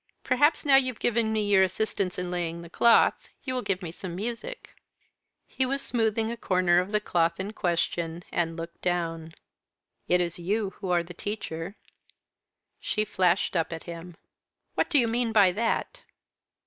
Perhaps now you've given me your assistance in laying the cloth, you will give me some music." He was smoothing a corner of the cloth in question and looked down. "It is you who are the teacher." She flashed up at him. "What do you mean by that?"